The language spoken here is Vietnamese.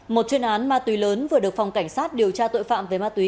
một chuyên án ma túy lớn vừa được phòng cảnh sát điều tra tội phạm về ma túy